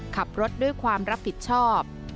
ขับรถด้วยความรับผิดชอบ